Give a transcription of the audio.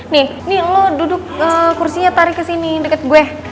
nih lo duduk kursinya tarik kesini deket gue